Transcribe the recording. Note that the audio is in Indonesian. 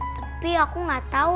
tapi aku gak tahu